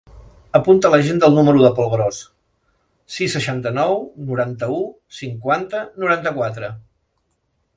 Apunta a l'agenda el número del Pol Gros: sis, seixanta-nou, noranta-u, cinquanta, noranta-quatre.